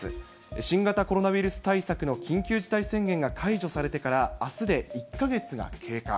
新型コロナウイルス対策の緊急事態宣言が解除されてから、あすで１か月が経過。